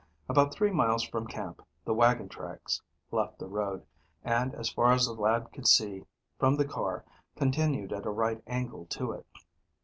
About three miles from camp the wagon tracks left the road, and, as far as the lad could see from the car, continued at a right angle to it.